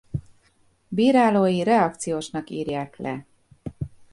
Bírálói reakciósnak írják le.